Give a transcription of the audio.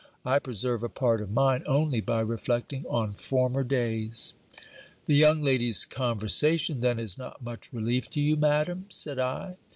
I preserve a part of mine, only by reflecting on former days.' 'The young lady's conversation, then, is not much relief to you, Madam?' said I.